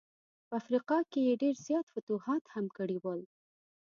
په افریقا کي یې ډېر زیات فتوحات هم کړي ول.